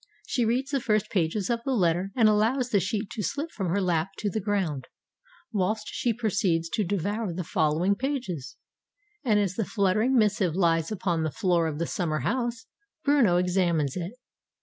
She reads the first pages of the letter, and allows the sheet to slip from her lap to the ground, whilst she proceeds to devour the following pages. And as the fluttering missive lies upon the floor of the summer house, Bruno examines it.